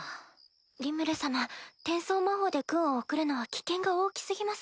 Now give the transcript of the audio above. リムル様転送魔法で軍を送るのは危険が大き過ぎます。